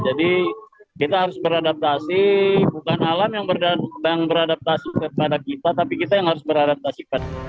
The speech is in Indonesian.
jadi kita harus beradaptasi bukan alam yang beradaptasi kepada kita tapi kita yang harus beradaptasi